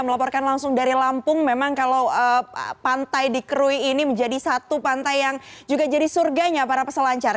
melaporkan langsung dari lampung memang kalau pantai di kru ini menjadi satu pantai yang juga jadi surganya para peselancar